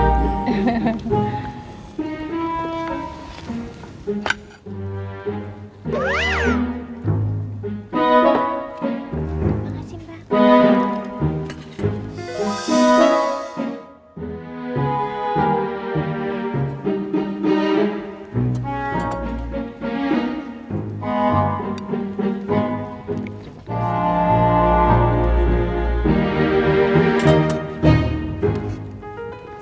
terima kasih mbak